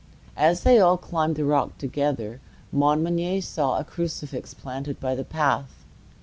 As they all climbed the rock together, Montmagny saw a crucifix planted by the path.